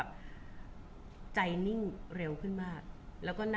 คุณผู้ถามเป็นความขอบคุณค่ะ